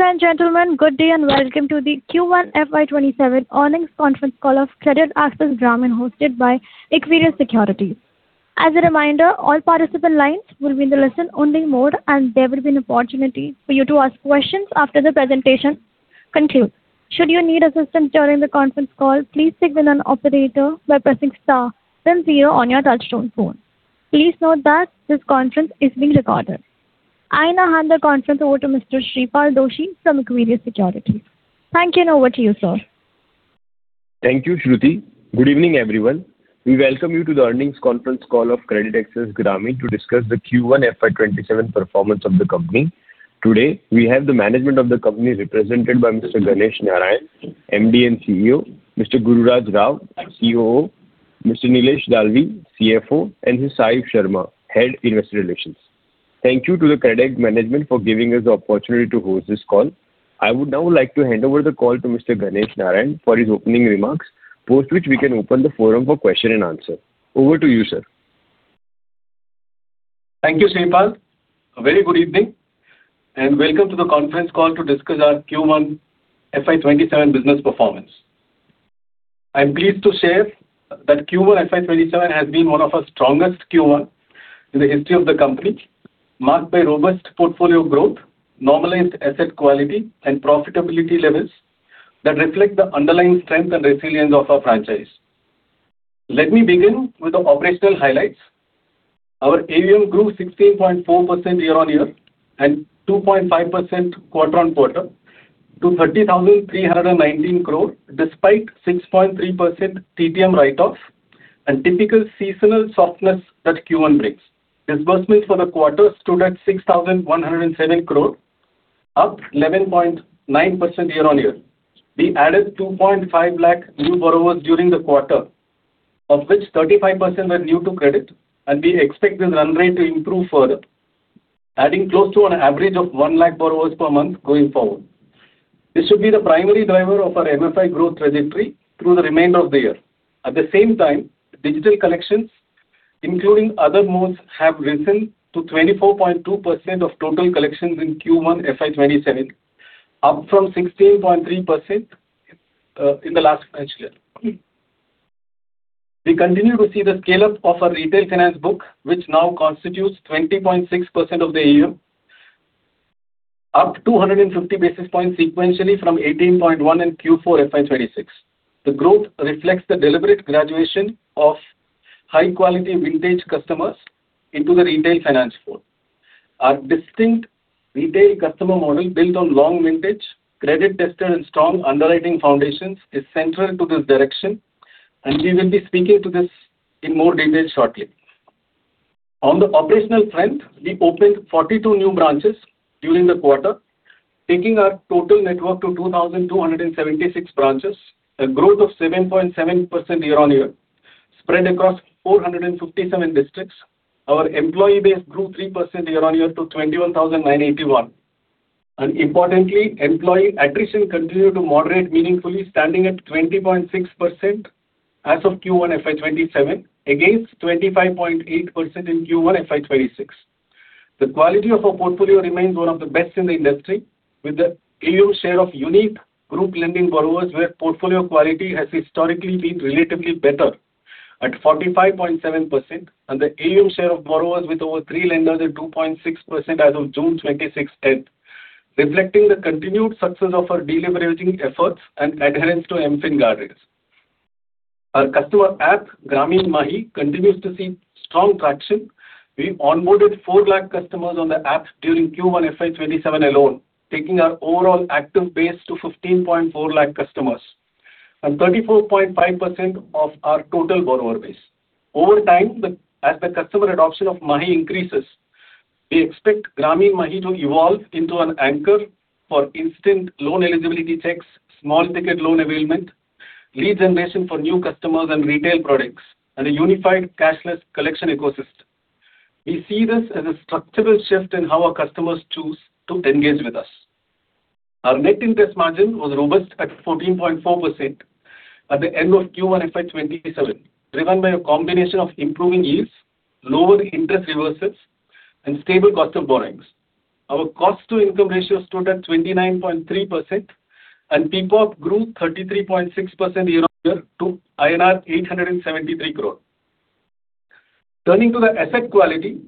Ladies and gentlemen, good day and welcome to the Q1 FY 2027 earnings conference call of CreditAccess Grameen hosted by Equirus Securities. As a reminder, all participant lines will be in the listen only mode, there will be an opportunity for you to ask questions after the presentation concludes. Should you need assistance during the conference call, please signal an operator by pressing star then zero on your touch-tone phone. Please note that this conference is being recorded. I now hand the conference over to Mr. Shreepal Doshi from Equirus Securities. Thank you, and over to you, sir. Thank you, Shruti. Good evening, everyone. We welcome you to the earnings conference call of CreditAccess Grameen to discuss the Q1 FY 2027 performance of the company. Today, we have the management of the company represented by Mr. Ganesh Narayanan, MD and CEO, Mr. Gururaj Rao, COO, Mr. Nilesh Dalvi, CFO, and Mr. Sahib Sharma, Head, Investor Relations. Thank you to the Credit management for giving us the opportunity to host this call. I would now like to hand over the call to Mr. Ganesh Narayanan for his opening remarks, post which we can open the forum for question-and-answer. Over to you, sir. Thank you, Shreepal. A very good evening, and welcome to the conference call to discuss our Q1 FY 2027 business performance. I'm pleased to share that Q1 FY 2027 has been one of our strongest Q1s in the history of the company, marked by robust portfolio growth, normalized asset quality, and profitability levels that reflect the underlying strength and resilience of our franchise. Let me begin with the operational highlights. Our AUM grew 16.4% year-over-year and 2.5% quarter-over-quarter to 30,319 crore, despite 6.3% TTM write-offs and typical seasonal softness that Q1 brings. Disbursement for the quarter stood at 6,107 crore, up 11.9% year-over-year. We added 2.5 lakh new borrowers during the quarter, of which 35% were new to credit, and we expect this run rate to improve further, adding close to an average of 1 lakh borrowers per month going forward. This should be the primary driver of our MFI growth trajectory through the remainder of the year. At the same time, digital collections, including other modes, have risen to 24.2% of total collections in Q1 FY 2027, up from 16.3% in the last financial year. We continue to see the scale-up of our retail finance book, which now constitutes 20.6% of the AUM, up 250 basis points sequentially from 18.1% in Q4 FY 2026. The growth reflects the deliberate graduation of high-quality vintage customers into the retail finance pool. Our distinct retail customer model, built on long vintage, credit tested, and strong underwriting foundations, is central to this direction, and we will be speaking to this in more detail shortly. On the operational front, we opened 42 new branches during the quarter, taking our total network to 2,276 branches, a growth of 7.7% year-over-year, spread across 457 districts. Our employee base grew 3% year-on-year to 21,981. Importantly, employee attrition continued to moderate meaningfully, standing at 20.6% as of Q1 FY 2027, against 25.8% in Q1 FY 2026. The quality of our portfolio remains one of the best in the industry, with the AUM share of unique Group Lending borrowers where portfolio quality has historically been relatively better at 45.7%, and the AUM share of borrowers with over three lenders at 2.6% as of June 26th, [inaudible] reflecting the continued success of our deleveraging efforts and adherence to MFIN guidelines. Our customer app, Grameen MAHI, continues to see strong traction. We onboarded 4 lakh customers on the app during Q1 FY 2027 alone, taking our overall active base to 15.4 lakh customers and 34.5% of our total borrower base. Over time, as the customer adoption of MAHI increases, we expect Grameen MAHI to evolve into an anchor for instant loan eligibility checks, small ticket loan availment, lead generation for new customers and retail products, and a unified cashless collection ecosystem. We see this as a structural shift in how our customers choose to engage with us. Our net interest margin was robust at 14.4% at the end of Q1 FY 2027, driven by a combination of improving yields, lower interest reversals, and stable cost of borrowings. Our cost to income ratio stood at 29.3%. PPOP grew 33.6% year-on-year to INR 873 crore. Turning to the asset quality,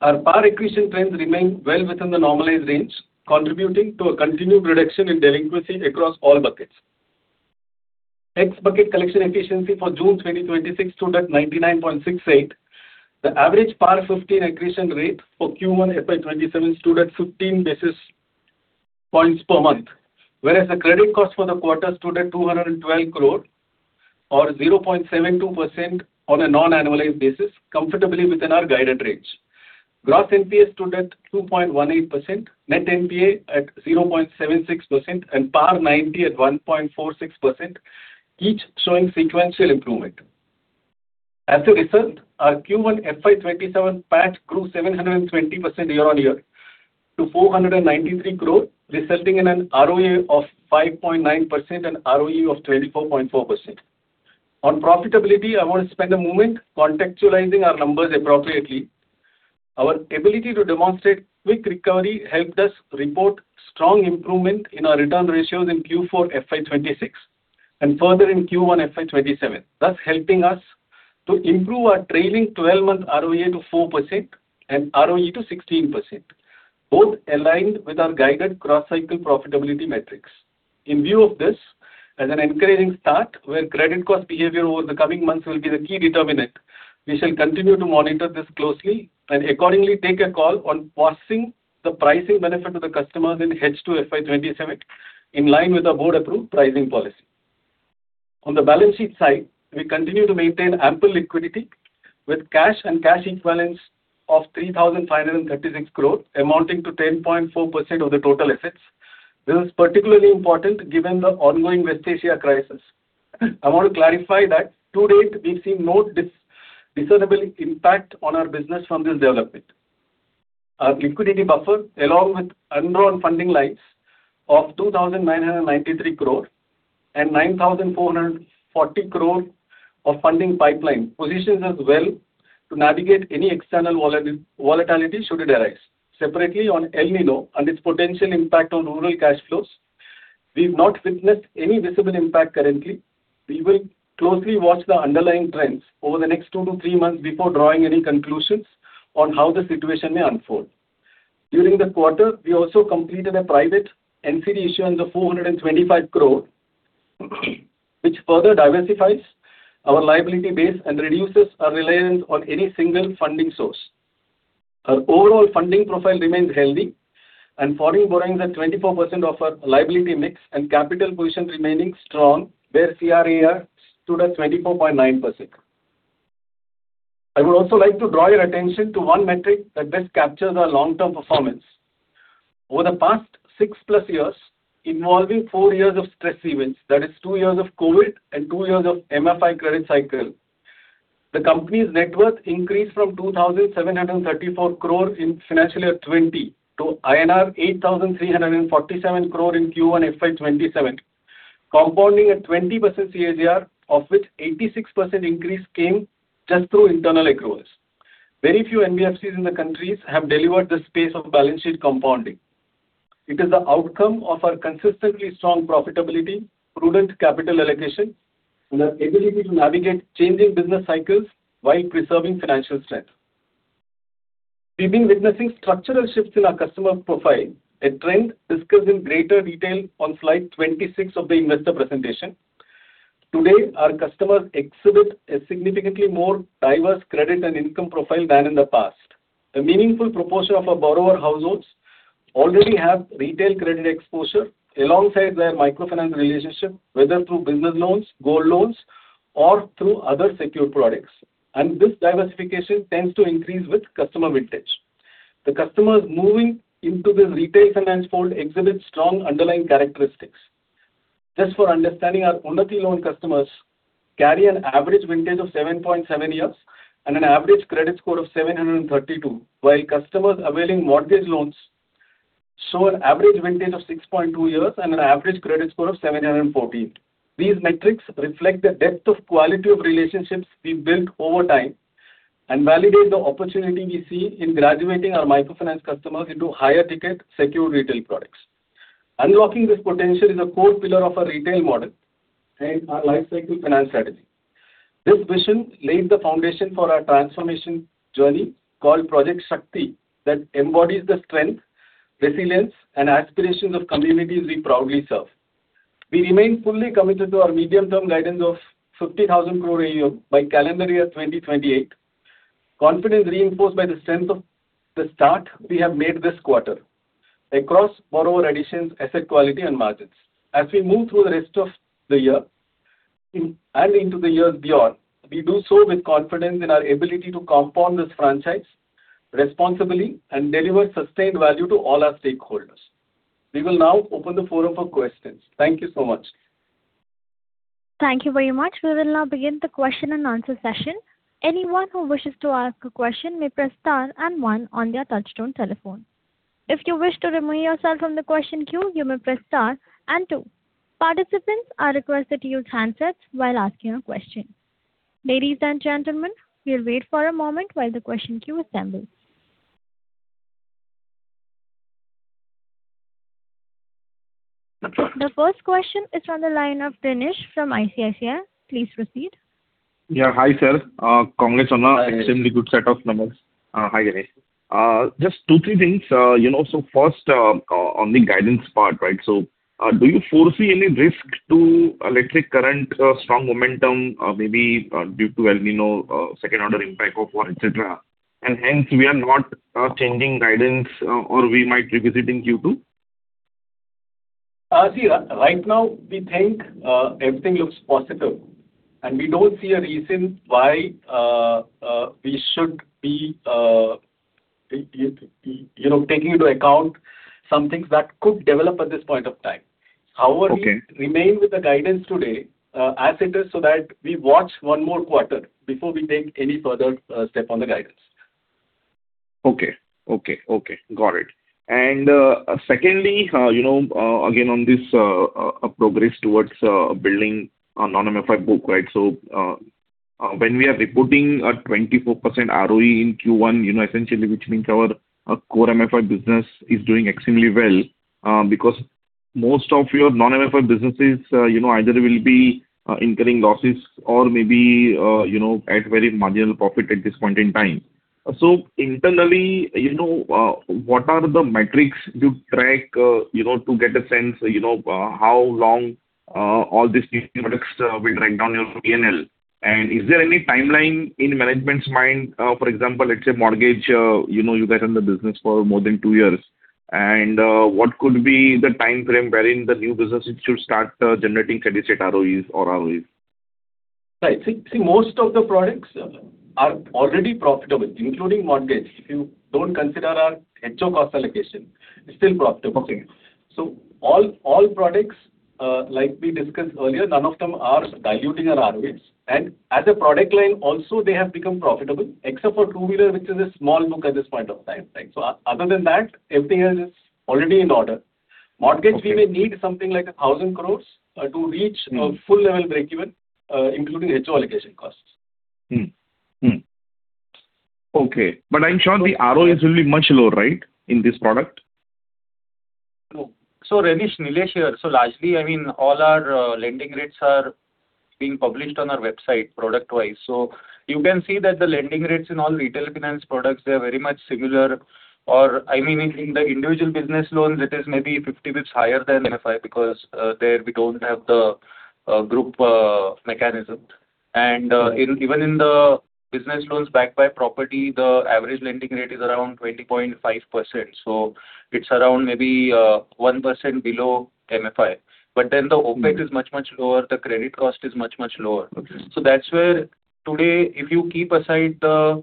our PAR accretion trends remain well within the normalized range, contributing to a continued reduction in delinquency across all buckets. X-bucket collection efficiency for June 2026 stood at 99.68%. The average PAR 15 accretion rate for Q1 FY 2027 stood at 15 basis points per month, whereas the credit cost for the quarter stood at 212 crore or 0.72% on a non-annualized basis, comfortably within our guided range. Gross NPA stood at 2.18%, net NPA at 0.76%, and PAR 90 at 1.46%, each showing sequential improvement. As a result, our Q1 FY 2027 PAT grew 720% year-on-year to 493 crore, resulting in an ROA of 5.9% and ROE of 24.4%. On profitability, I want to spend a moment contextualizing our numbers appropriately. Our ability to demonstrate quick recovery helped us report strong improvement in our return ratios in Q4 FY 2026 and further in Q1 FY 2027, thus helping us to improve our trailing 12-month ROA to 4% and ROE to 16%, both aligned with our guided cross-cycle profitability metrics. In view of this, as an encouraging start where credit cost behavior over the coming months will be the key determinant, we shall continue to monitor this closely and accordingly take a call on passing the pricing benefit to the customers in H2 FY 2027, in line with the board-approved pricing policy. On the balance sheet side, we continue to maintain ample liquidity with cash and cash equivalents of 3,536 crore, amounting to 10.4% of the total assets. This is particularly important given the ongoing West Asia crisis. I want to clarify that to date, we've seen no discernible impact on our business from this development. Our liquidity buffer, along with undrawn funding lines of 2,993 crore and 9,440 crore of funding pipeline, positions us well to navigate any external volatility should it arise. Separately, on El Niño and its potential impact on rural cash flows, we've not witnessed any visible impact currently. We will closely watch the underlying trends over the next two to three months before drawing any conclusions on how the situation may unfold. During the quarter, we also completed a private NCD issuance of 425 crore, which further diversifies our liability base and reduces our reliance on any single funding source. Our overall funding profile remains healthy, and foreign borrowings at 24% of our liability mix and capital position remaining strong, where CRAR stood at 24.9%. I would also like to draw your attention to one metric that best captures our long-term performance. Over the past six-plus years, involving four years of stress events, that is two years of COVID and two years of MFI credit cycle, the company's net worth increased from 2,734 crore in FY 2020 to INR 8,347 crore in Q1 FY 2027, compounding at 20% CAGR, of which 86% increase came just through internal accruals. Very few NBFCs in the country have delivered this pace of balance sheet compounding. It is the outcome of our consistently strong profitability, prudent capital allocation, and our ability to navigate changing business cycles while preserving financial strength. We've been witnessing structural shifts in our customer profile, a trend discussed in greater detail on slide 26 of the Investor Presentation. Today, our customers exhibit a significantly more diverse credit and income profile than in the past. A meaningful proportion of our borrower households already have retail credit exposure alongside their microfinance relationship, whether through business loans, gold loans, or through other secure products, and this diversification tends to increase with customer vintage. The customers moving into this retail finance fold exhibit strong underlying characteristics. Just for understanding, our Unnati Loan customers carry an average vintage of 7.7 years and an average credit score of 732, while customers availing mortgage loans show an average vintage of 6.2 years and an average credit score of 740. These metrics reflect the depth of quality of relationships we've built over time and validate the opportunity we see in graduating our microfinance customers into higher ticket secure retail products. Unlocking this potential is a core pillar of our retail model and our lifecycle finance strategy. This vision lays the foundation for our transformation journey called Project Shakti that embodies the strength, resilience, and aspirations of communities we proudly serve. We remain fully committed to our medium-term guidance of 50,000 crore AUM by calendar year 2028. Confidence reinforced by the strength of the start we have made this quarter across borrower additions, asset quality, and margins. As we move through the rest of the year and into the years beyond, we do so with confidence in our ability to compound this franchise responsibly and deliver sustained value to all our stakeholders. We will now open the floor for questions. Thank you so much. Thank you very much. We will now begin the question-and-answer session. Anyone who wishes to ask a question may press star and one on their touch-tone telephone. If you wish to remove yourself from the question queue, you may press star and two. Participants are requested to use handsets while asking a question. Ladies and gentlemen, we'll wait for a moment while the question queue assembles. The first question is on the line of Dinesh from ICICI. Please proceed. Yeah. Hi, sir. Congrats on extremely good set of numbers. Hi, Dinesh. Just two, three things. First, on the guidance part, do you foresee any risk to our current strong momentum, maybe due to El Niño, second order impact of war, et cetera, hence we are not changing guidance or we might revisit in Q2? Right now we think everything looks positive, we don't see a reason why we should be taking into account some things that could develop at this point of time. Okay. However, we remain with the guidance today as it is so that we watch one more quarter before we take any further step on the guidance. Okay. Got it. Secondly, again on this progress towards building a non-MFI book. When we are reporting a 24% ROE in Q1, essentially which means our core MFI business is doing extremely well because most of your non-MFI businesses either will be incurring losses or maybe at very marginal profit at this point in time. Internally, what are the metrics you track to get a sense how long all these new products will drag down your P&L? Is there any timeline in management's mind, for example, let's say mortgage, you guys are in the business for more than two years. What could be the timeframe wherein the new businesses should start generating steady-state ROEs or ROAs? Right. Most of the products are already profitable, including mortgage. If you don't consider our HO cost allocation, it's still profitable. Okay. All products, like we discussed earlier, none of them are diluting our ROEs. As a product line also, they have become profitable except for two-wheeler, which is a small book at this point of time. Other than that, everything else is already in order. Okay. Mortgage, we may need something like 1,000 crore to reach a full level breakeven, including HO allocation costs. Okay. I'm sure the ROEs will be much lower, right, in this product? Dinesh, Nilesh here. Largely, all our lending rates are being published on our website, product-wise. You can see that the lending rates in all retail finance products, they're very much similar. In the individual business loans, it is maybe 50 basis points higher than MFI because there we don't have the group mechanism. Even in the business loans backed by property, the average lending rate is around 20.5%. It's around maybe 1% below MFI. The OpEx is much, much lower. The credit cost is much, much lower. Okay. That's where today, if you keep aside the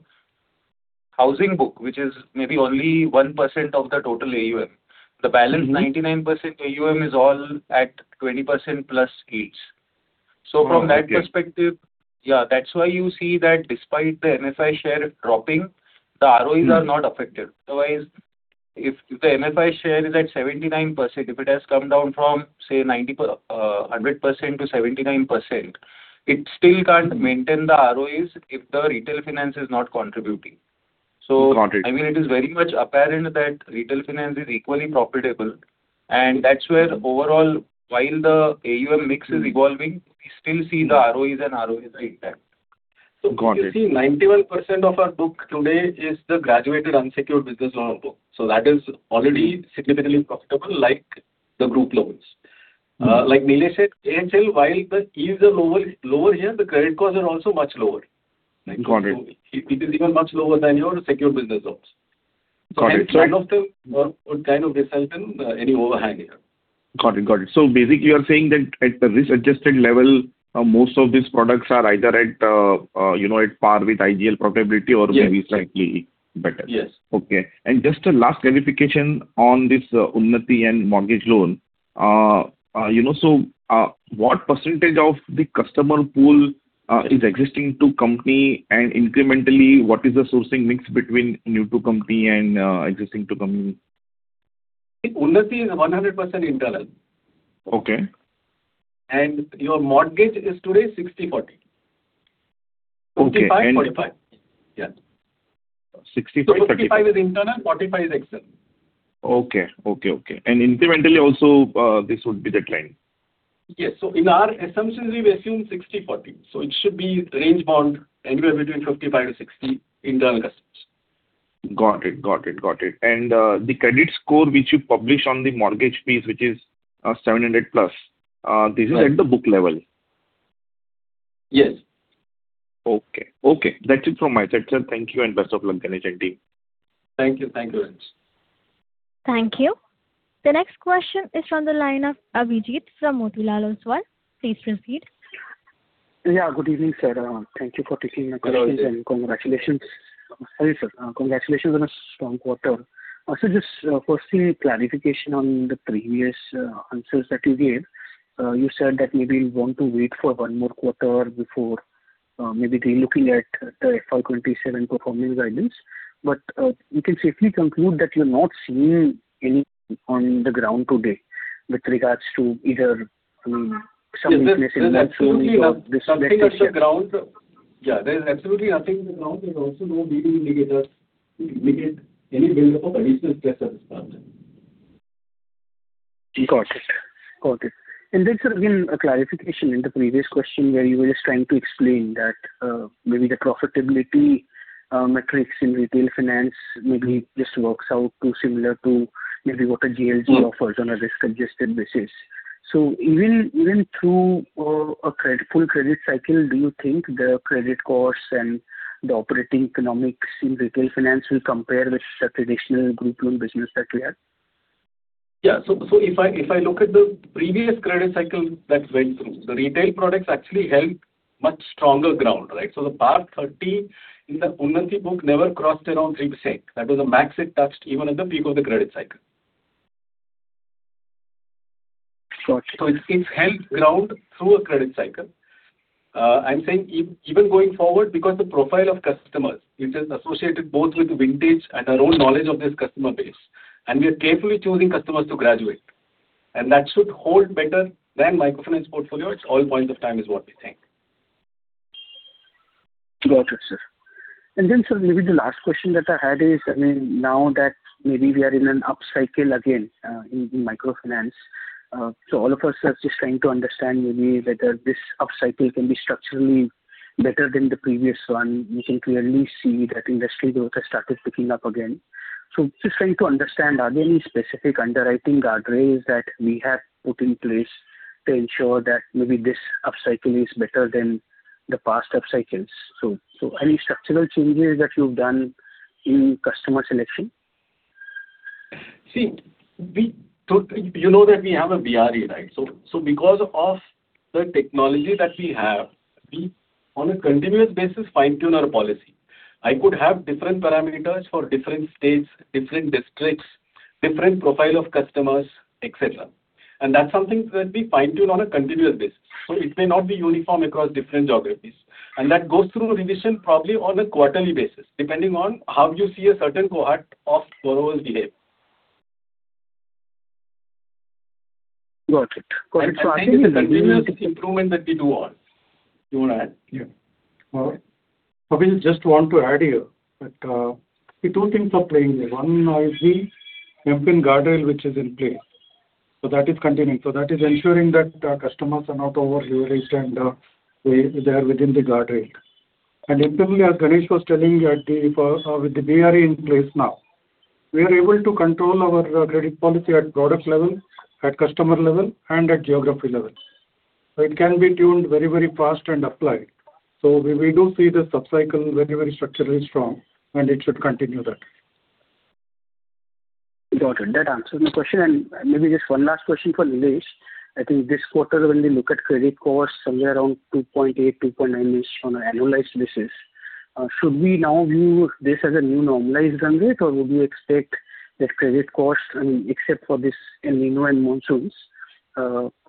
housing book, which is maybe only 1% of the total AUM, the balance 99% AUM is all at 20%+. [inaudible] Oh, okay. From that perspective, yeah, that's why you see that despite the MFI share dropping, the ROEs are not affected. Otherwise, if the MFI share is at 79%, if it has come down from, say, 100%-79%, it still can't maintain the ROEs if the retail finance is not contributing. Got it. It is very much apparent that retail finance is equally profitable, and that's where overall, while the AUM mix is evolving, we still see the ROEs and ROAs intact. Got it. You see, 91% of our book today is the graduated unsecured business loan book. That is already significantly profitable like the group loans. Like Nilesh said, ASL, while the yields are lower here, the credit costs are also much lower. Got it. It is even much lower than your secured business loans. Got it. None of them would result in any overhang here. Got it. Basically, you are saying that at the risk-adjusted level, most of these products are either at par with ideal profitability or maybe. Yes. slightly better. Yes. Okay. Just a last clarification on this Unnati and mortgage loan. What percentage of the customer pool is existing to company? Incrementally, what is the sourcing mix between new-to-company and existing-to-company? Unnati is 100% internal. Okay. Your mortgage is today 60/40. Okay. 50/55. Yeah. 60/40- 55 is internal, 45 is external. Okay. Incrementally also this would be the trend? Yes. In our assumptions, we've assumed 60/40. It should be range-bound anywhere between 55-60 internal customers. Got it. The credit score which you publish on the mortgage piece, which is 700+- Right This is at the book level? Yes. Okay. That's it from my side, sir. Thank you and best of luck on your journey. Thank you. Thank you. The next question is from the line of Abhijit from Motilal Oswal. Please proceed. Yeah, good evening, sir. Thank you for taking my questions. Hello, Abhijit. Congratulations. Sorry, sir. Congratulations on a strong quarter. Sir, just firstly, clarification on the previous answers that you gave. You said that maybe you want to wait for one more quarter before maybe relooking at the FY 2027 performance guidance. We can safely conclude that you're not seeing anything on the ground today with regards to either some weakness in macro or micro- Yeah. There's absolutely nothing on the ground. There's also no leading indicators to indicate any build-up of additional stress at this point. Got it. Sir, again, a clarification in the previous question where you were just trying to explain that maybe the profitability metrics in retail finance maybe just works out too similar to maybe what a GL offers on a risk-adjusted basis. Even through a full credit cycle, do you think the credit costs and the operating economics in retail finance will compare with the traditional group loan business that we have? Yeah. If I look at the previous credit cycle that went through, the retail products actually held much stronger ground, right? The PAR 30 in the Unnati book never crossed around 3%. That was the max it touched even at the peak of the credit cycle. Got you. It's held ground through a credit cycle. I'm saying even going forward, because the profile of customers is associated both with vintage and our own knowledge of this customer base, and we are carefully choosing customers to graduate. That should hold better than microfinance portfolio at all points of time, is what we think. Got it, sir. Then, sir, maybe the last question that I had is, now that maybe we are in an up cycle again in microfinance, so all of us are just trying to understand maybe whether this up cycle can be structurally better than the previous one. We can clearly see that industry growth has started picking up again. Just trying to understand, are there any specific underwriting guardrails that we have put in place to ensure that maybe this up cycle is better than the past up cycles? Any structural changes that you've done in customer selection? See, you know that we have a BRE, right? Because of the technology that we have, we on a continuous basis fine-tune our policy. I could have different parameters for different states, different districts, different profile of customers, et cetera. That's something that we fine-tune on a continuous basis. It may not be uniform across different geographies. That goes through revision probably on a quarterly basis, depending on how you see a certain cohort of borrowers behave. Got it. I think it's a continuous improvement that we do all. Do you want to add? Yeah. All right. Abhijit, just want to add here that two things are playing here. One is the MFIN guardrail, which is in place. That is continuing. That is ensuring that our customers are not overleveraged and they are within the guardrail. Similarly, as Ganesh was telling, with the BRE in place now, we are able to control our credit policy at product level, at customer level and at geography level. It can be tuned very fast and applied. We do see this up cycle very structurally strong and it should continue that way. Got it. That answers my question. Maybe just one last question for Nilesh. I think this quarter when we look at credit costs somewhere around 2.8, 2.9-ish on an annualized basis, should we now view this as a new normalized run rate or would we expect that credit costs, except for this El Niño and monsoons,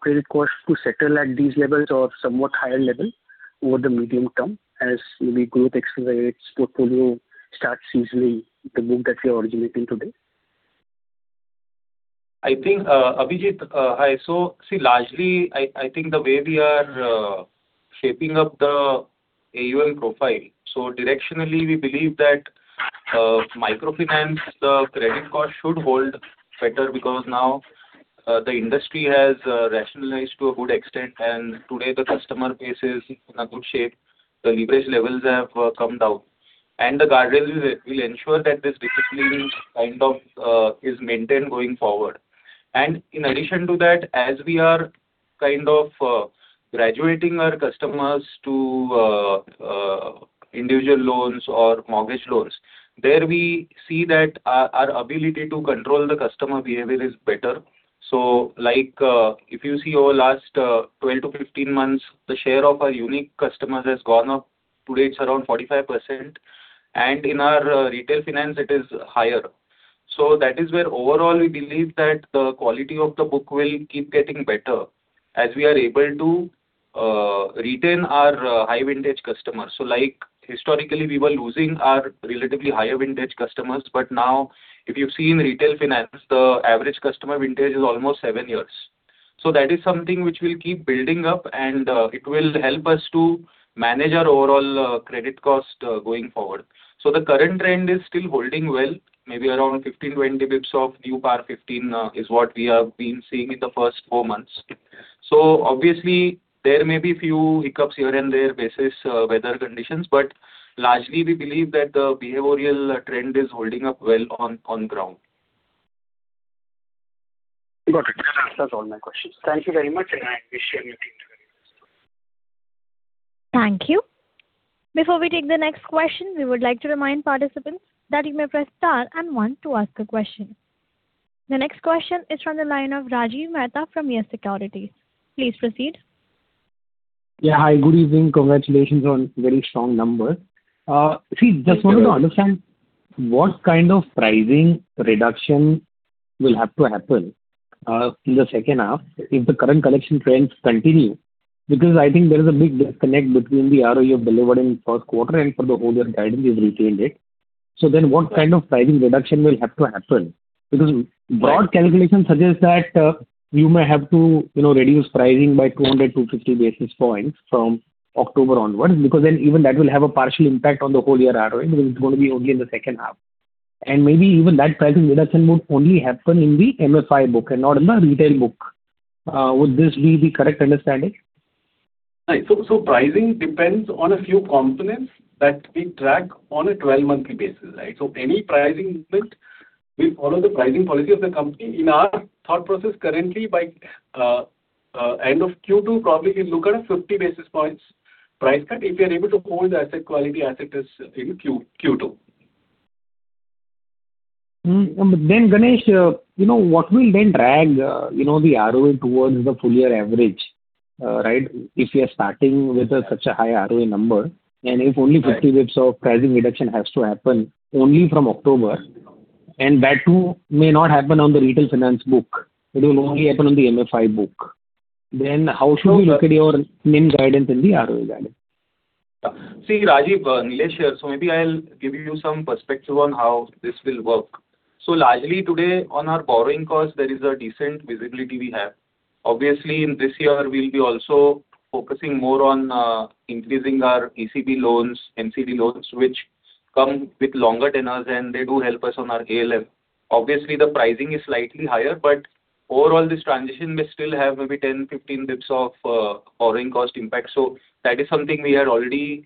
credit costs to settle at these levels or somewhat higher level over the medium term as maybe growth accelerates, portfolio starts seasoning the book that we are originating today? I think, Abhijit, see, largely, the way we are shaping up the AUM profile. Directionally, we believe that microfinance, the credit cost should hold better because now the industry has rationalized to a good extent and today the customer base is in a good shape. The leverage levels have come down. The guardrails will ensure that this disciplining kind of is maintained going forward. In addition to that, as we are kind of graduating our customers to individual loans or mortgage loans, there we see that our ability to control the customer behavior is better. Like if you see over last 12-15 months, the share of our unique customers has gone up. Today it's around 45%, and in our retail finance it is higher. That is where overall we believe that the quality of the book will keep getting better as we are able to retain our high vintage customers. Like historically, we were losing our relatively higher vintage customers but now if you see in retail finance, the average customer vintage is almost seven years. That is something which will keep building up and it will help us to manage our overall credit cost going forward. The current trend is still holding well, maybe around 15, 20 basis points off PAR 15 is what we have been seeing in the first four months. Obviously there may be few hiccups here and there basis weather conditions, but largely we believe that the behavioral trend is holding up well on ground. Got it. That answers all my questions. Thank you very much and I wish your team the very best. Thank you. Before we take the next question, we would like to remind participants that you may press star and one to ask a question. The next question is from the line of Rajiv Mehta from YES Securities. Please proceed. Yeah, hi, good evening. Congratulations on very strong numbers. I think there is a big disconnect between the ROE you've delivered in first quarter and for the whole year guidance you've retained it. What kind of pricing reduction will have to happen? Broad calculations suggest that you may have to reduce pricing by 200 basis points, 250 basis points from October onwards, because then even that will have a partial impact on the whole year ROE because it's going to be only in the second half. Maybe even that pricing reduction would only happen in the MFI book and not in the retail book. Would this be the correct understanding? Pricing depends on a few components that we track on a 12-monthly basis. Any pricing movement will follow the pricing policy of the company. In our thought process currently by end of Q2, probably we look at a 50 basis points price cut if we are able to hold the asset quality as it is in Q2. Ganesh, what will then drag the ROE towards the full year average? If you are starting with such a high ROE number and if only 50 basis points of pricing reduction has to happen only from October. That too may not happen on the retail finance book. It will only happen on the MFI book. How should we look at your NIM guidance and the ROE guidance? See, Rajiv, Nilesh here. Maybe I'll give you some perspective on how this will work. Largely today on our borrowing cost, there is a decent visibility we have. Obviously, in this year, we'll be also focusing more on increasing our ECB loans, NCD loans, which come with longer tenures, and they do help us on our ALM. Obviously, the pricing is slightly higher, but overall this transition may still have maybe 10 basis points, 15 basis points of borrowing cost impact. That is something we had already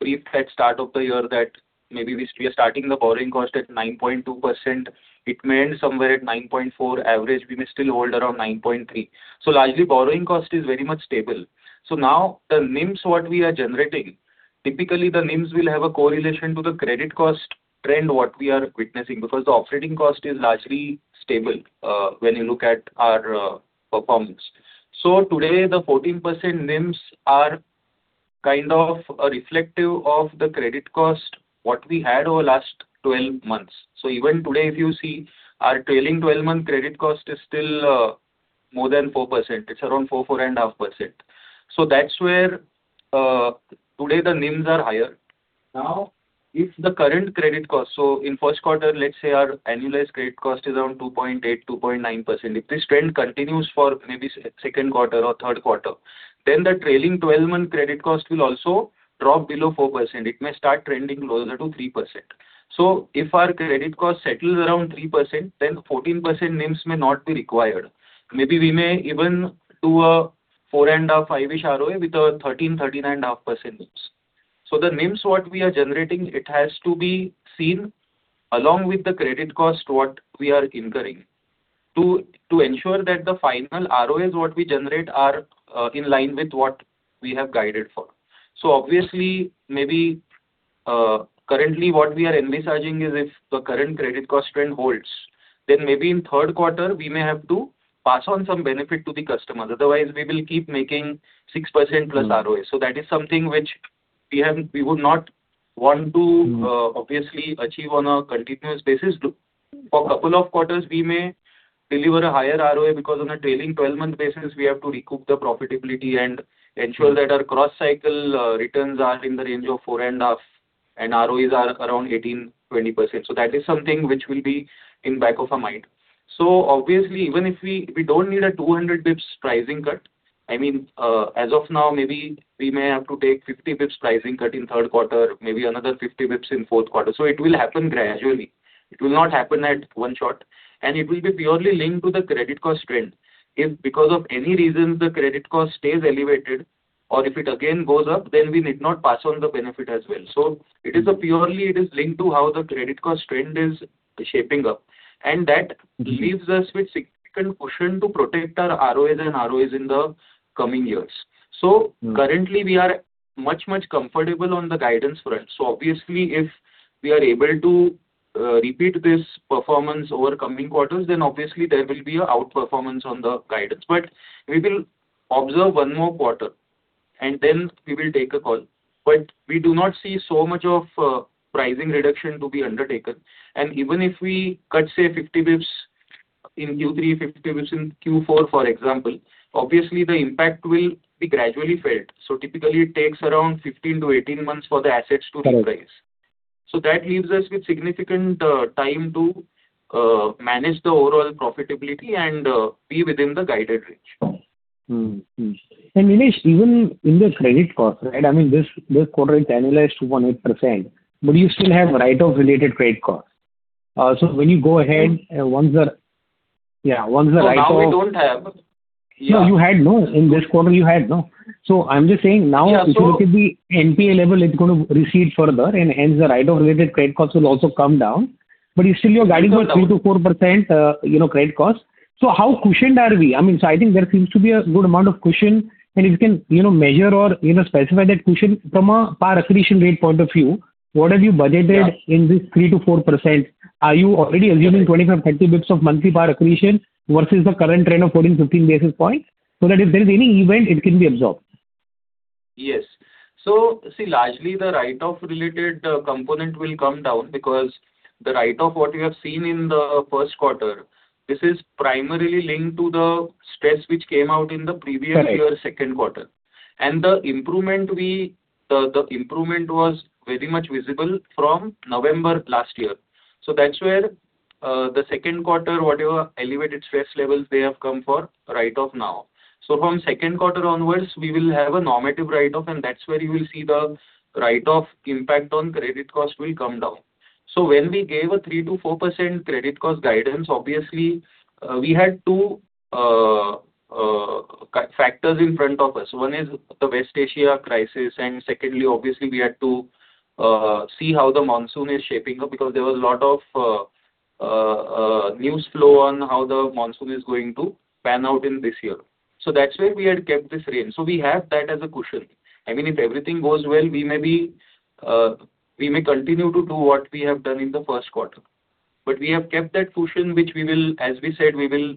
briefed at start of the year that maybe we are starting the borrowing cost at 9.2%. It may end somewhere at 9.4% average. We may still hold around 9.3%. Largely borrowing cost is very much stable. Now the NIMs, what we are generating, typically the NIMs will have a correlation to the credit cost trend what we are witnessing because the operating cost is largely stable when you look at our performance. Today the 14% NIMs are kind of reflective of the credit cost, what we had over last 12 months. Even today, if you see our trailing 12-month credit cost is still more than 4%. It's around 4.5%. That's where today the NIMs are higher. Now, if the current credit cost, in first quarter, let's say our annualized credit cost is around 2.8%, 2.9%. If this trend continues for maybe second quarter or third quarter, then the trailing 12-month credit cost will also drop below 4%. It may start trending closer to 3%. If our credit cost settles around 3%, then 14% NIMs may not be required. Maybe we may even do a 4.5-ish ROA with a 13.5% NIMs. The NIMs, what we are generating, it has to be seen along with the credit cost what we are incurring to ensure that the final ROEs what we generate are in line with what we have guided for. Obviously, maybe currently what we are envisaging is if the current credit cost trend holds, then maybe in third quarter, we may have to pass on some benefit to the customers. Otherwise, we will keep making 6%+ ROE. That is something which we would not want to obviously achieve on a continuous basis. For couple of quarters, we may deliver a higher ROE because on a trailing 12-month basis, we have to recoup the profitability and ensure that our cross-cycle returns are in the range of 4.5%, and ROEs are around 18%, 20%. That is something which will be in back of our mind. Obviously, we don't need a 200 basis points pricing cut. As of now, maybe we may have to take 50 basis points pricing cut in third quarter, maybe another 50 basis points in fourth quarter. It will happen gradually. It will not happen at one shot. It will be purely linked to the credit cost trend. If because of any reasons the credit cost stays elevated or if it again goes up, then we need not pass on the benefit as well. Purely, it is linked to how the credit cost trend is shaping up, and that leaves us with significant cushion to protect our ROAs and ROEs in the coming years. Currently, we are much, much comfortable on the guidance front. Obviously, if we are able to repeat this performance over coming quarters, then obviously there will be a outperformance on the guidance. We will observe one more quarter and then we will take a call. We do not see so much of pricing reduction to be undertaken. Even if we cut, say, 50 basis points in Q3, 50 basis points in Q4, for example, obviously the impact will be gradually felt. Typically, it takes around 15-18 months for the assets to reprice. That leaves us with significant time to manage the overall profitability and be within the guided range. Nilesh, even in the credit cost, I mean, this quarter it annualized 2.8%, you still have write-off related credit cost. When you go ahead, Now we don't have. No, you had, no. In this quarter, you had, no. I'm just saying. Yeah. If you look at the NPA level, it's going to recede further, and hence the write-off related credit costs will also come down. You still, you're guiding for 3%-4%, you know, credit cost. How cushioned are we? I mean, I think there seems to be a good amount of cushion, and if you can measure or specify that cushion from a PAR accretion rate point of view, what have you budgeted in this 3%-4%? Are you already assuming 25 basis points, 30 basis points of monthly PAR accretion versus the current trend of 14 basis points, 15 basis points, that if there is any event, it can be absorbed? Yes. See, largely the write-off related component will come down because the write-off what you have seen in the first quarter, this is primarily linked to the stress which came out in the previous- Correct year second quarter. The improvement was very much visible from November last year. That's where the second quarter, whatever elevated stress levels they have come for write-off now. From second quarter onwards, we will have a normative write-off, and that's where you will see the write-off impact on credit cost will come down. When we gave a 3%-4% credit cost guidance, obviously, we had two factors in front of us. One is the West Asia crisis, and secondly, obviously, we had to see how the monsoon is shaping up because there was a lot of news flow on how the monsoon is going to pan out in this year. That's why we had kept this range. We have that as a cushion. I mean, if everything goes well, we may continue to do what we have done in the first quarter. We have kept that cushion, which as we said, we will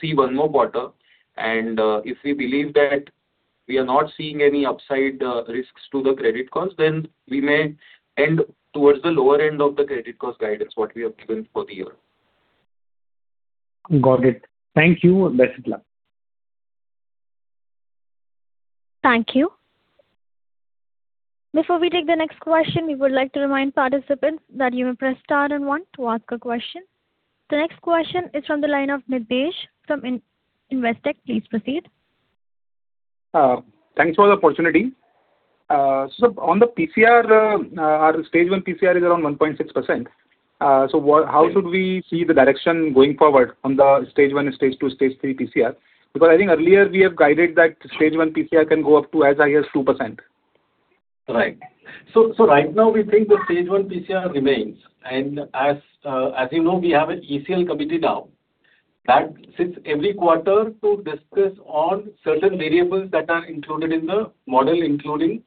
see one more quarter. If we believe that we are not seeing any upside risks to the credit cost, then we may end towards the lower end of the credit cost guidance, what we have given for the year. Got it. Thank you. Best of luck. Thank you. Before we take the next question, we would like to remind participants that you may press star and one to ask a question. The next question is from the line of Nidhesh from Investec. Please proceed. Thanks for the opportunity. On the PCR, our Stage 1 PCR is around 1.6%. How should we see the direction going forward on the Stage 1, Stage 2, Stage 3 PCR? I think earlier we have guided that Stage 1 PCR can go up to as high as 2%. Right now we think the Stage 1 PCR remains. As you know, we have an ECL committee now that sits every quarter to discuss all certain variables that are included in the model, including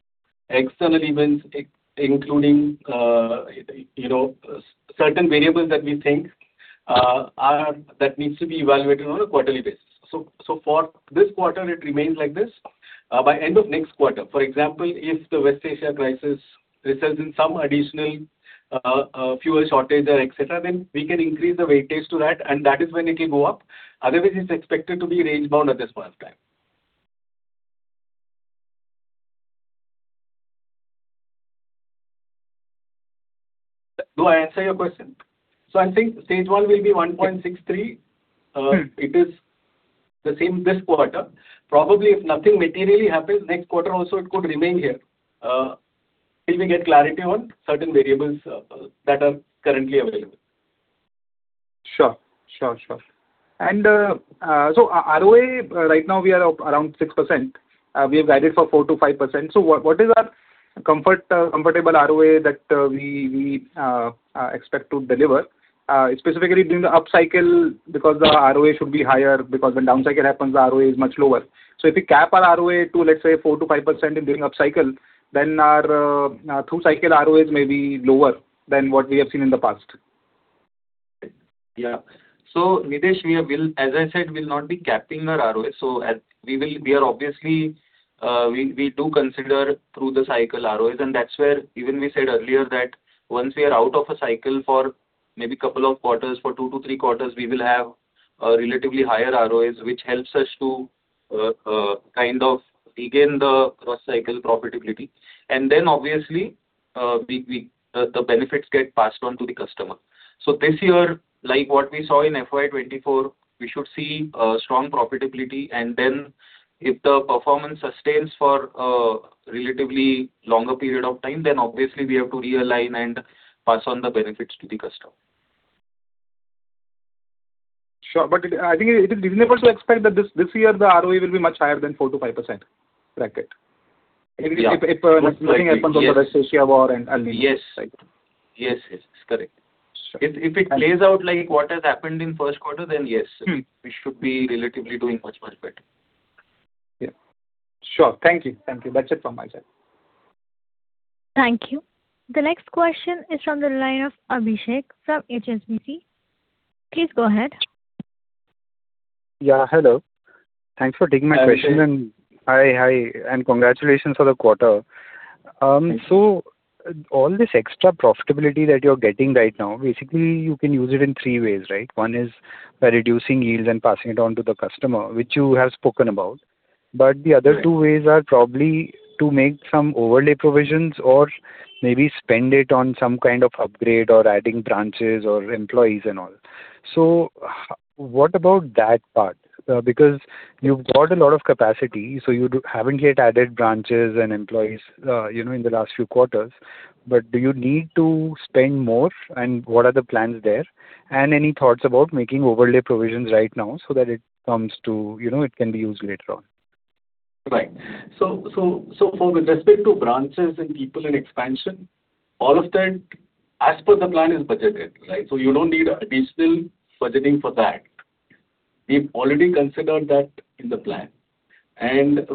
external events, including certain variables that we think needs to be evaluated on a quarterly basis. For this quarter it remains like this. By end of next quarter, for example, if the West Asia crisis results in some additional fuel shortage, et cetera, then we can increase the weightage to that, and that is when it can go up. Otherwise, it's expected to be range-bound at this point in time. Do I answer your question? I think Stage 1 will be 1.63. It is the same this quarter. Probably if nothing materially happens, next quarter also it could remain here till we get clarity on certain variables that are currently available. Sure. ROA, right now we are around 6%. We have guided for 4%-5%. What is our comfortable ROA that we expect to deliver? Specifically during the upcycle, because the ROA should be higher because when downcycle happens, the ROA is much lower. If we cap our ROA to, let's say, 4%-5% in the upcycle, then our through-cycle ROAs may be lower than what we have seen in the past. Yeah. Nidhesh, as I said, we will not be capping our ROA. We do consider through-the-cycle ROAs, and that's where even we said earlier that once we are out of a cycle for maybe couple of quarters, fortwo to three quarters, we will have a relatively higher ROAs, which helps us to kind of regain the cross-cycle profitability. Obviously, the benefits get passed on to the customer. This year, like what we saw in FY 2024, we should see strong profitability, and then if the performance sustains for a relatively longer period of time, then obviously we have to realign and pass on the benefits to the customer. Sure. I think it is reasonable to expect that this year the ROE will be much higher than 4%-5% bracket. Yeah. If nothing happens with the West Asia war. Yes. Right. Yes. Correct. Sure. If it plays out like what has happened in first quarter, then yes. We should be relatively doing much, much better. Yeah. Sure. Thank you. Thank you. That's it from my side. Thank you. The next question is from the line of Abhishek from HSBC. Please go ahead. Yeah, hello. Thanks for taking my question. Hi, Abhishek. Hi. Congratulations for the quarter. All this extra profitability that you're getting right now, basically, you can use it in three ways, right? One is by reducing yields and passing it on to the customer, which you have spoken about. The other two ways are probably to make some overlay provisions or maybe spend it on some kind of upgrade or adding branches or employees and all. What about that part? Because you've got a lot of capacity, so you haven't yet added branches and employees in the last few quarters. Do you need to spend more, and what are the plans there? Any thoughts about making overlay provisions right now, so that it can be used later on? Right. With respect to branches and people and expansion, all of that as per the plan is budgeted, right? You don't need additional budgeting for that. We've already considered that in the plan.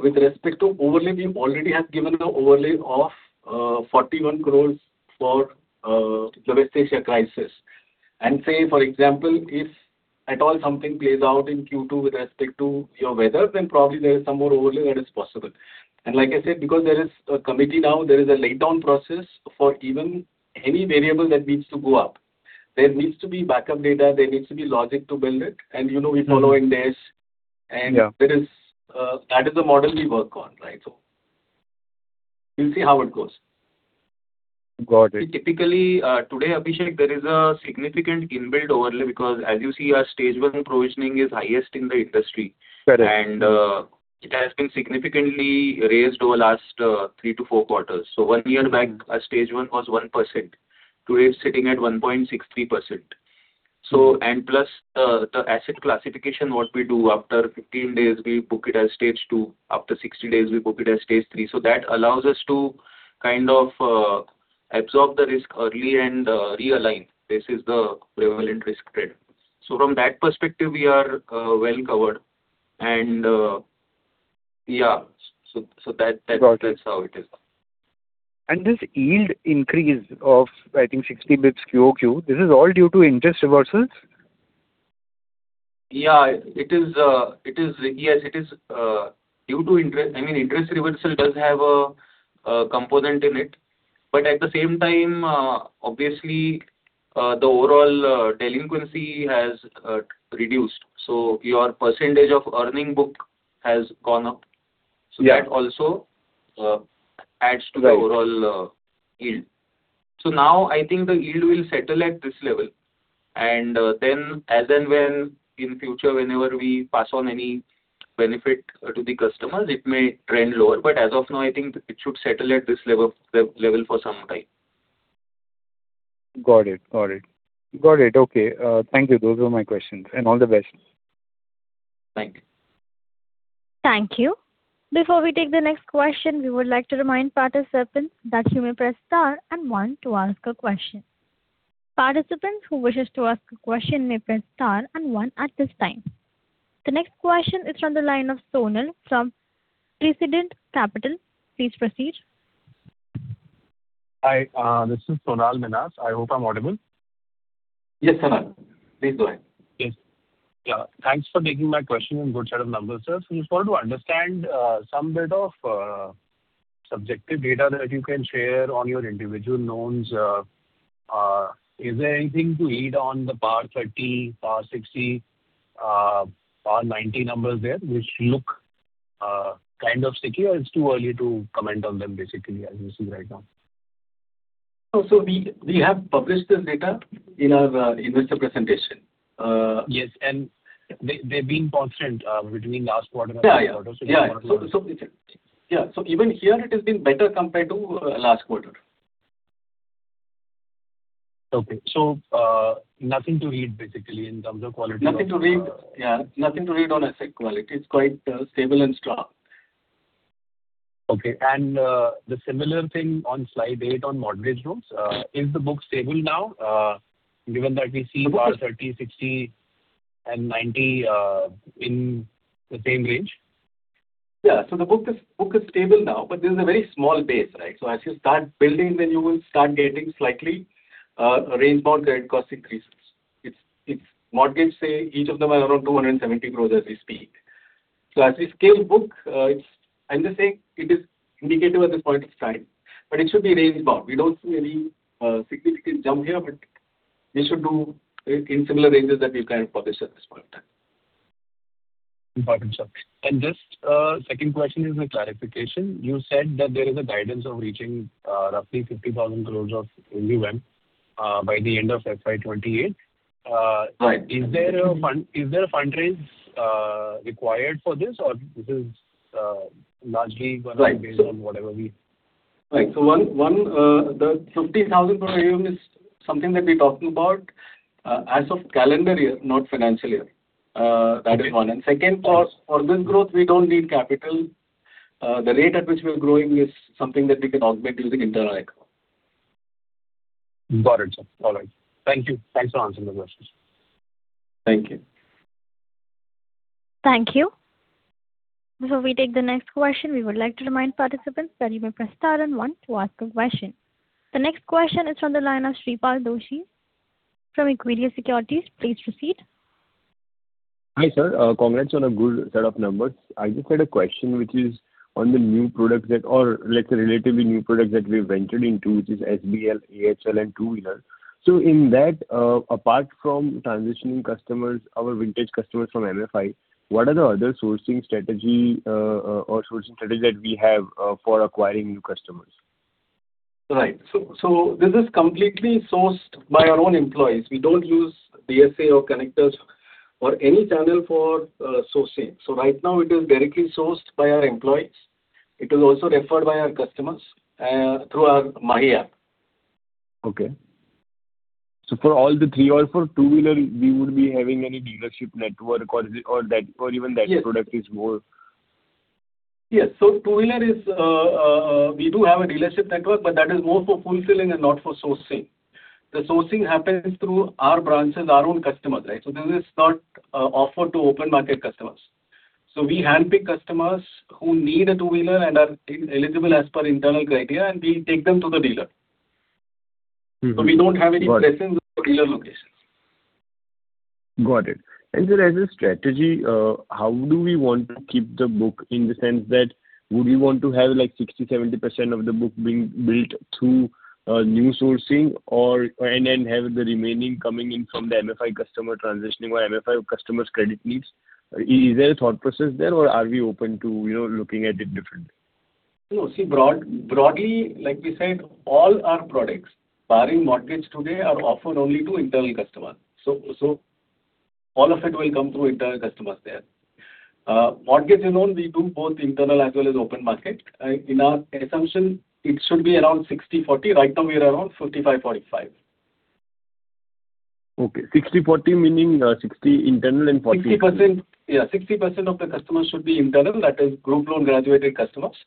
With respect to overlay, we already have given an overlay of 41 crore for the West Asia crisis. Say, for example, if at all something plays out in Q2 with respect to your weather, then probably there is some more overlay that is possible. Like I said, because there is a committee now, there is a laid-down process for even any variable that needs to go up. There needs to be backup data, there needs to be logic to build it, and you know we follow IND AS. Yeah. That is the model we work on. We'll see how it goes. Got it. Typically, today, Abhishek, there is a significant inbuilt overlay because as you see, our Stage 1 provisioning is highest in the industry. Correct. It has been significantly raised over last three to four quarters. One year back, our Stage 1 was one percent. Today, it is sitting at 1.63%. Plus, the asset classification, what we do, after 15 days, we book it as Stage 2. After 60 days, we book it as Stage 3. That allows us to kind of absorb the risk early and realign. This is the prevalent risk trend. From that perspective, we are well covered. Yeah. Got it. That is how it is. This yield increase of, I think, 60 basis points quarter-over-quarter, this is all due to interest reversals? Interest reversal does have a component in it, at the same time, obviously, the overall delinquency has reduced, your percentage of earning book has gone up. Yeah. That also adds to the overall yield. Now, I think the yield will settle at this level. As and when in future, whenever we pass on any benefit to the customers, it may trend lower. As of now, I think it should settle at this level for some time. Got it. Thank you. Those were my questions. All the best. Thank you. Thank you. Before we take the next question, we would like to remind participants that you may press star and one to ask a question. Participants who wishes to ask a question may press star and one at this time. The next question is from the line of Sonal from Prescient Capital. Please proceed. Hi. This is Sonal Minhas. I hope I'm audible. Yes, Sonal. Please go ahead. Yes. Thanks for taking my question on good set of numbers, sir. Just wanted to understand some bit of subjective data that you can share on your individual loans. Is there anything to read on the PAR30, PAR 60, PAR 90 numbers there, which look kind of secure? It's too early to comment on them, basically, as you see right now. No. We have published this data in our investor presentation. Yes, they're being constant between last quarter and this quarter. Yeah. Even here it has been better compared to last quarter. Okay. Nothing to read basically in terms of quality. Nothing to read on asset quality. It is quite stable and strong. Okay. The similar thing on slide eight on mortgage loans. Is the book stable now, given that we see- The book is- PAR 30, PAR 60 and PAR 90 in the same range? Yeah. The book is stable now, but this is a very small base, right? As you start building, then you will start getting slightly range-bound credit cost increases. If mortgage, say, each of them are around 270 crore as we speak. As we scale book, I'm just saying it is indicative at this point of time, but it should be range-bound. We don't see any significant jump here, but we should do in similar ranges that we've kind of published at this point in time. Got it, sir. Just second question is a clarification. You said that there is a guidance of reaching roughly 50,000 crore of only AUM by the end of FY 2028. Right. Is there a fundraise required for this or this is largely going to be based on whatever we Right. The 50,000 crore per AUM is something that we're talking about as of calendar year, not financial year. Right.- That is one. Second, for this growth, we don't need capital. The rate at which we're growing is something that we can augment using internal equity. Got it, sir. All right. Thank you. Thanks for answering the questions. Thank you. Thank you. Before we take the next question, we would like to remind participants that you may press star and one to ask a question. The next question is from the line of Shreepal Doshi from Equirus Securities. Please proceed. Hi, sir. Congrats on a good set of numbers. I just had a question, which is on the new product or let's say relatively new product that we've ventured into, which is SBL, AHL, and two-wheeler. In that, apart from transitioning customers, our vintage customers from MFI, what are the other sourcing strategy that we have for acquiring new customers? Right. This is completely sourced by our own employees. We don't use DSA or connectors or any channel for sourcing. Right now it is directly sourced by our employees. It is also referred by our customers through our MAHI app. Okay. For all the three or for two-wheeler, we would be having any dealership network, or even that product is more Yes. Two-wheeler, we do have a dealership network, but that is more for fulfilling and not for sourcing. The sourcing happens through our branches, our own customers, right? This is not offered to open market customers. We handpick customers who need a two-wheeler and are eligible as per internal criteria, and we take them to the dealer. Mm-hmm. Got it. We don't have any presence on dealer locations. Got it. Sir, as a strategy, how do we want to keep the book in the sense that would we want to have like 60%-70% of the book being built through new sourcing and then have the remaining coming in from the MFI customer transitioning or MFI customers' credit needs. Is there a thought process there or are we open to looking at it differently? No. See, broadly, like we said, all our products barring mortgage today are offered only to internal customers. All of it will come through internal customers there. Mortgage and loan, we do both internal as well as open market. In our assumption, it should be around 60/40. Right now we are around 55/45. Okay. 60/40 meaning 60 internal and 40 external. Yeah, 60% of the customers should be internal, that is group loan graduated customers,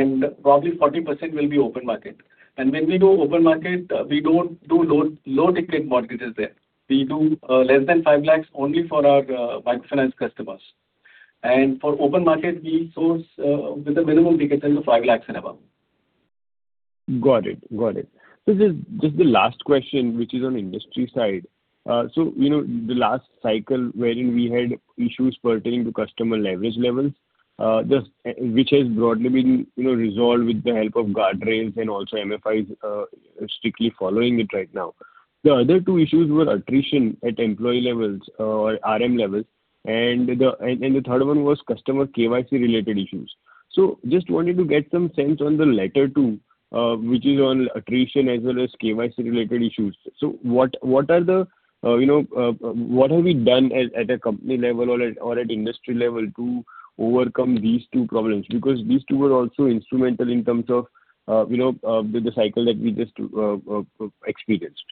and probably 40% will be open market. When we do open market, we don't do low-ticket mortgages there. We do less than 5 lakh only for our bike finance customers. For open market, we source with a minimum ticket size of INR 5 lakh and above. Got it. This is just the last question, which is on industry side. The last cycle wherein we had issues pertaining to customer leverage levels, which has broadly been resolved with the help of guardrails and also MFIs strictly following it right now. The other two issues were attrition at employee levels or RM levels, and the third one was customer KYC related issues. Just wanted to get some sense on the latter two, which is on attrition as well as KYC related issues. What have we done at a company level or at industry level to overcome these two problems? Because these two were also instrumental in terms of the cycle that we just experienced.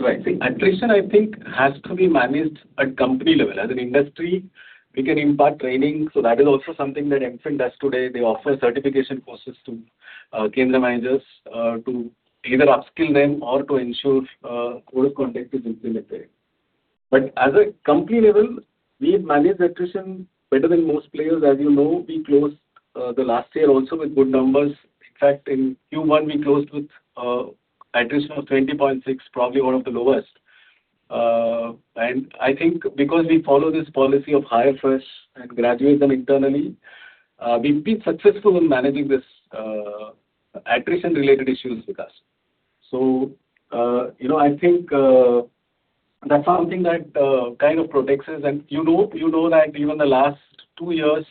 Right. Attrition, I think, has to be managed at company level. As an industry, we can impart training. That is also something that MFIN does today. They offer certification courses to Kendra Managers to either upskill them or to ensure code of conduct is implemented. At a company level, we've managed attrition better than most players. As you know, we closed the last year also with good numbers. In fact, in Q1 we closed with attrition of 20.6%, probably one of the lowest. I think because we follow this policy of hire first and graduate them internally, we've been successful in managing this attrition-related issues with us. I think that's something that kind of protects us. You know that even the last two years,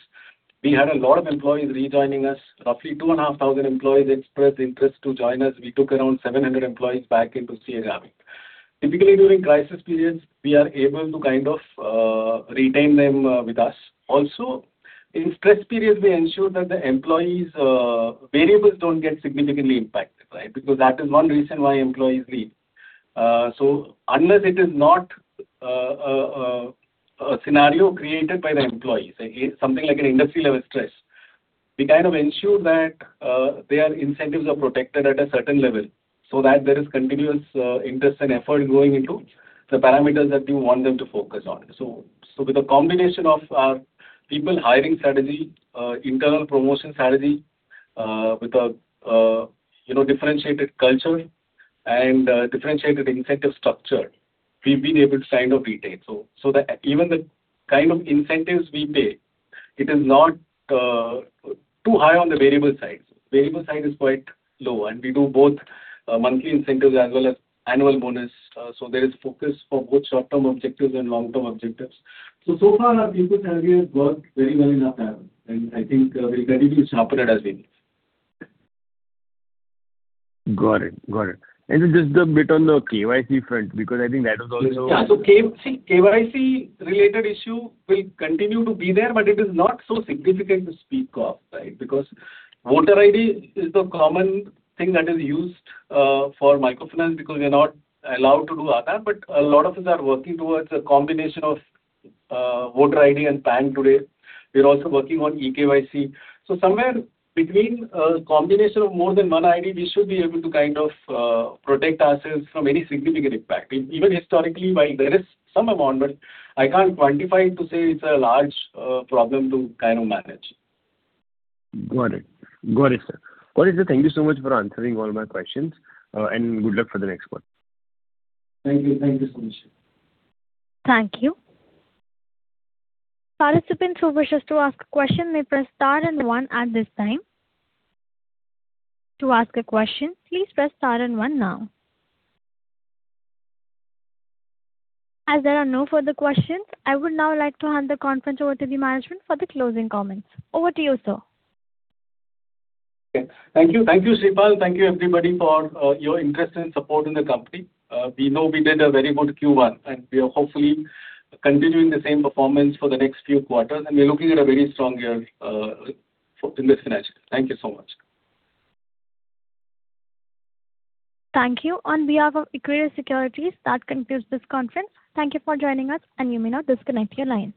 we had a lot of employees rejoining us. Roughly 2,500 employees expressed interest to join us. We took around 700 employees back into CreditAccess Grameen. Typically, during crisis periods, we are able to retain them with us also. In stress periods, we ensure that the employees' variables don't get significantly impacted. Because that is one reason why employees leave. Unless it is not a scenario created by the employee, say something like an industry-level stress, we ensure that their incentives are protected at a certain level so that there is continuous interest and effort going into the parameters that you want them to focus on. With a combination of our people hiring strategy, internal promotion strategy with a differentiated culture and differentiated incentive structure, we've been able to retain. That even the kind of incentives we pay, it is not too high on the variable side. Variable side is quite low, and we do both monthly incentives as well as annual bonus. There is focus for both short-term objectives and long-term objectives. Far our people strategy has worked very well in our favor and I think we're ready to sharpen it as well. Got it. Just a bit on the KYC front, because I think that was also- Yeah. KYC-related issue will continue to be there, but it is not so significant to speak of. Voter ID is the common thing that is used for microfinance because we are not allowed to do Aadhaar. A lot of us are working towards a combination of voter ID and PAN today. We're also working on eKYC. Somewhere between a combination of more than one ID, we should be able to protect ourselves from any significant impact. Even historically, while there is some amount but I can't quantify it to say it's a large problem to manage. Got it, sir. Thank you so much for answering all my questions and good luck for the next one. Thank you. Thank you. Participants who wishes to ask a question may press star and one at this time. To ask a question, please press star and one now. There are no further questions, I would now like to hand the conference over to the management for the closing comments. Over to you, sir. Okay. Thank you. Thank you, Shreepal. Thank you everybody for your interest and support in the company. We know we did a very good Q1 and we are hopefully continuing the same performance for the next few quarters, and we are looking at a very strong year in this financial year. Thank you so much. Thank you. On behalf of Equirus Securities, that concludes this conference. Thank you for joining us and you may now disconnect your lines.